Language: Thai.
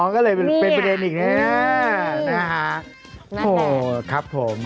อ๋อก็เลยเป็นประเด็นอีกนี้นะฮะโอ้โฮครับผมนี่